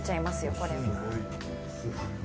これ。